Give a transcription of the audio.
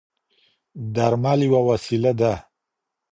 درمل یوه وسیله ده.